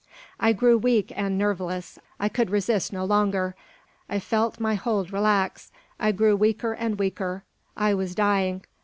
I grew weak and nerveless. I could resist no longer. I felt my hold relax. I grew weaker and weaker. I was dying.